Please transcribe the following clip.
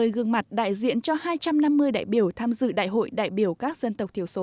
năm mươi gương mặt đại diện cho hai trăm năm mươi đại biểu tham dự đại hội đại biểu các dân tộc thiểu số